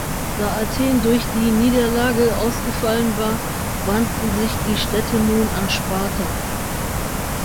Da Athen durch die Niederlage ausgefallen war, wandten sich die Städte nun an Sparta.